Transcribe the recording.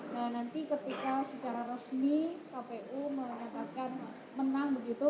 nah nanti ketika secara resmi kpu menyatakan menang begitu